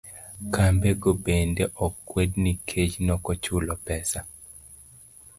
Kambe go bende okwed nikech oknochulo pesa